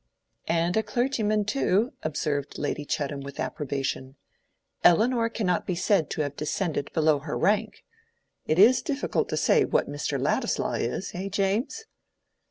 "And a clergyman too," observed Lady Chettam with approbation. "Elinor cannot be said to have descended below her rank. It is difficult to say what Mr. Ladislaw is, eh, James?"